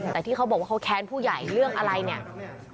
แต่ที่เขาบอกว่าเขาแค้นผู้ใหญ่เรื่องอะไรเนี่ย